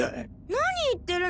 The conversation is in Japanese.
何言ってるの？